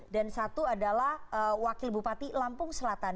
dan satu adalah wakil bupati lampung selatan